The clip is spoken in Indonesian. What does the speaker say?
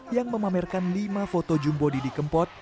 yang memamerkan lima foto jumbo didi kempot